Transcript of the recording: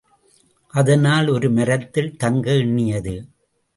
அதனால் ஒரு மரத்தில் தங்க எண்ணியது.